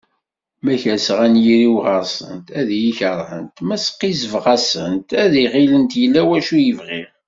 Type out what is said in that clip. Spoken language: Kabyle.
Ma kerseɣ anyir-iw ɣer-sent ad iyi-kerhent, ma sqizzbeɣ-asent ad ɣillent yella wacu i bɣiɣ.